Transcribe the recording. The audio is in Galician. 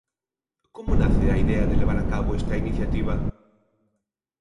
Como nace a idea de levar a cabo esta iniciativa?